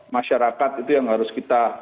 masyarakat itu yang harus kita